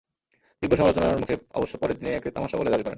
তীব্র সমালোচনার মুখে অবশ্য পরে তিনি একে তামাশা বলে দাবি করেন।